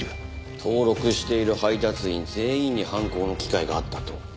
登録している配達員全員に犯行の機会があったと。